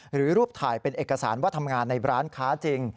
หรือรูปถ่ายเป็นเอกสารว่าทำงานในร้านค้าจริง